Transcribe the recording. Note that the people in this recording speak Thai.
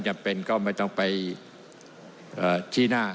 ท่านประธานก็เป็นสอสอมาหลายสมัย